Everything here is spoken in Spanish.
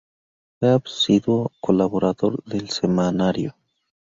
Fue asiduo colaborador del semanario.